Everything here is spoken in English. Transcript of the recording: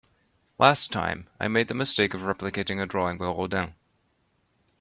Last time, I made the mistake of replicating a drawing by Rodin.